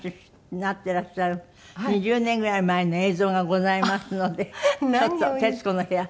てらっしゃる２０年ぐらい前の映像がございますのでちょっと『徹子の部屋』。